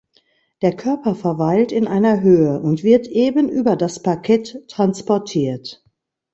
Der Körper verweilt in einer Höhe und wird eben über das Parkett transportiert.